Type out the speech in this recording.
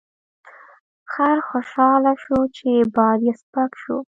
خر خوشحاله شو چې بار یې سپک شو.